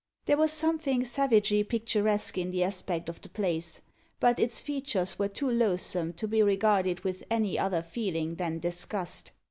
There was something savagely picturesque in the aspect of the place, but its features were too loathsome to be regarded with any other feeling than disgust.